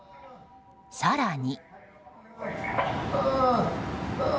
更に。